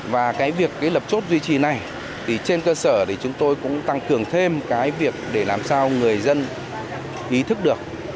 và cái việc lập chốt duy trì này thì trên cơ sở thì chúng tôi cũng tăng cường thêm cái việc để làm sao người dân ý thức được